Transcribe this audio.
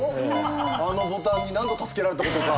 あのボタンに何度助けられたことか。